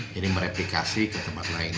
jadi mereplikasi ke tempat lain